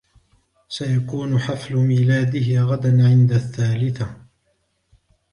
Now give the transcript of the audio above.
سيكون حفل ميلاده غدا عند الثالثة.